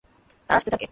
তারা আসতে থাকে।